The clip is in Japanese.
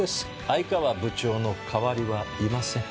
愛川部長の代わりはいません。